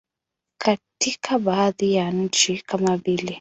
Katika baadhi ya nchi kama vile.